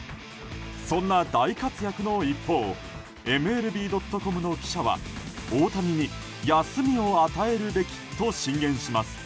そんな大活躍の一方ＭＬＢ．ｃｏｍの記者は大谷に休みを与えるべきと進言します。